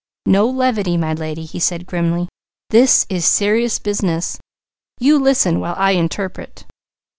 "No levity, my lady," he said grimly. "This is serious business. You listen while I interpret.